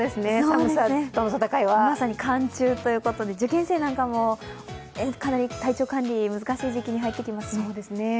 まさに寒中ということで受験生なんかもかなり体調管理、難しい時期に入ってきますね。